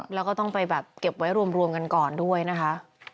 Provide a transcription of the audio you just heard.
แล้วก็ต้องไปแบบเก็บไว้รวมกันก่อนด้วยนะคะ